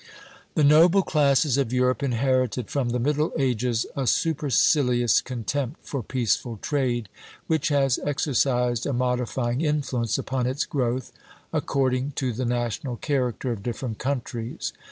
The noble classes of Europe inherited from the Middle Ages a supercilious contempt for peaceful trade, which has exercised a modifying influence upon its growth, according to the national character of different countries.